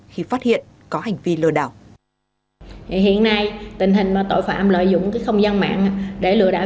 khi phát hiện có hành vi lừa đảo